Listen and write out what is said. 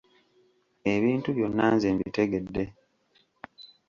Ebintu byonna nze mbitegedde.